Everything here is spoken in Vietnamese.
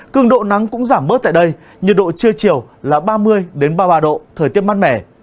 cường độ nắng cũng giảm bớt tại đây nhiệt độ trưa chiều là ba mươi ba mươi ba độ thời tiết mát mẻ